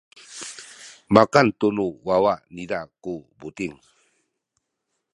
makan tu nu wawa niza ku buting.